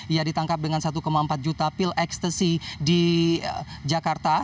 ia ditangkap dengan satu empat juta pil ekstasi di jakarta